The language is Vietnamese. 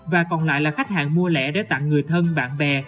và còn lại là khách hàng mua lẻ để tặng người thân bạn bè